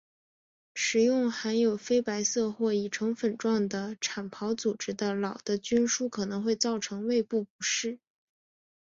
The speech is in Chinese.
食用含有非白色或已成粉状的产孢组织的老的菌株可能会造成胃部不适。